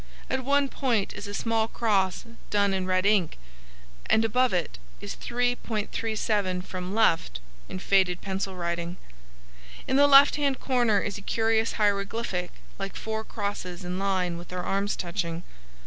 At one point is a small cross done in red ink, and above it is '3.37 from left,' in faded pencil writing. In the left hand corner is a curious hieroglyphic like four crosses in a line with their arms touching.